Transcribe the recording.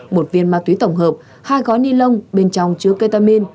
một viên ma túy tổng hợp hai gói nilon bên trong chứa ketamine